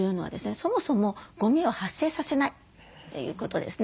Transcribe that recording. そもそもゴミを発生させないということですね。